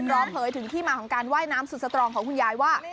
เผยถึงที่มาของการว่ายน้ำสุดสตรองของคุณยายว่า